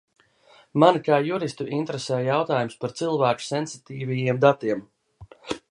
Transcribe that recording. Mani kā juristu interesē jautājums par cilvēku sensitīvajiem datiem.